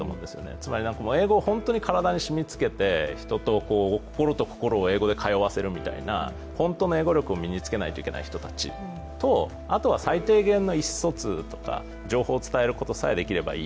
つまり英語を本当に体に身につけて心と心を通わせるみたいな本当の英語力を身につけないといけない人たちと最低限の意思疎通とか情報を伝えることさえできればいい。